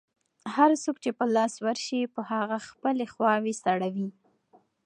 هر څوک چې په لاس ورشي، په هغه خپلې خواوې سړوي.